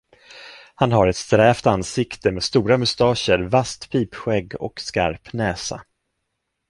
Han har ett strävt ansikte med stora mustascher, vasst pipskägg och skarp näsa.